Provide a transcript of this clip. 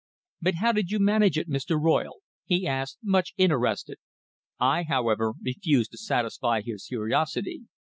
"But how did you manage it, Mr. Royle?" he asked, much interested. I, however, refused to satisfy his curiosity.